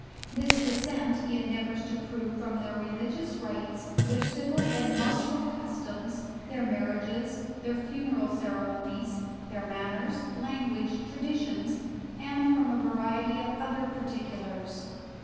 This descent he endeavors to prove from their religious rites, their civil and martial customs, their marriages, their funeral ceremonies, their manners, language, traditions, and from a variety of other particulars.